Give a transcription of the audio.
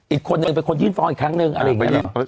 อีกคนนึงเป็นคนยื่นฟ้องอีกครั้งหนึ่งอะไรอย่างนี้